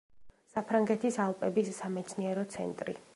საფრანგეთის ალპების სამეცნიერო ცენტრი.